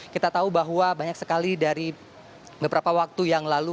kita tahu bahwa banyak sekali dari beberapa waktu yang lalu